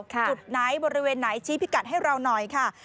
จุดไหนบริเวณไหนชี้พิกัดให้เราหน่อยค่ะ